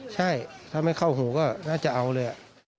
ใช่ถ้าไม่เข้าหูก็น่าจะเอาเลย